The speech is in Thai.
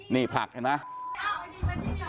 นี่ปลักเห็นไม๊ะ